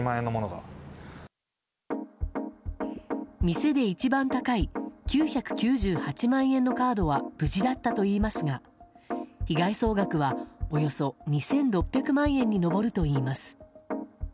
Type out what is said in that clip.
店で一番高い９９８万円のカードは無事だったといいますが被害総額はおよそ２６００万円に上るといいます。